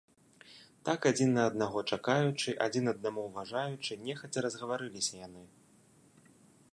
Так адзін на аднаго чакаючы, адзін аднаму ўважаючы, нехаця разгаварыліся яны.